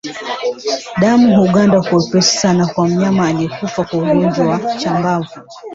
Damu huganda kwa wepesi sana kwa mnyama aliyekufa kwa ugonjwa wa chambavu